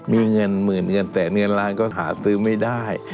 มีเงินหมื่นเงินแต่เงินล้านก็หาซื้อไม่ได้